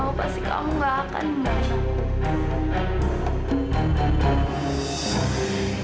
aku pasti kamu gak akan mudah